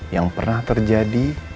yang pernah terjadi